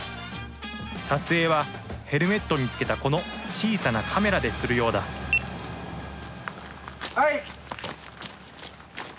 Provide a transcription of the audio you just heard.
撮影はヘルメットにつけたこの小さなカメラでするようだはい！